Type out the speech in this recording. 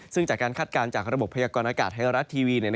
ซึ่งจากการคาดการณ์จากระบบพยากรณากาศไทยรัฐทีวี